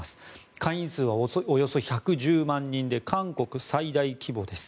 会員数はおよそ１１０万人で韓国最大規模です。